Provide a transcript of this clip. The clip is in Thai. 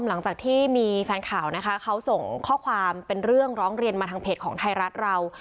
หลังจากที่มีแฟนข่าวนะคะเขาส่งข้อความเป็นเรื่องร้องเรียนมาทางเพจของไทยรัฐเรา